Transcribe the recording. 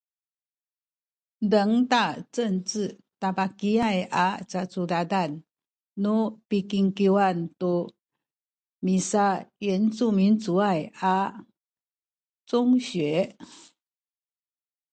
dengtal Cengce tabakiaya a cacudadan nu pikingkiwan tu misayincumincuay a congsin